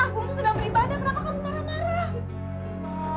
agur itu sudah beribadah kenapa kamu marah marah